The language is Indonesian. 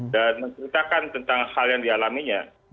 dan menceritakan tentang hal yang dialaminya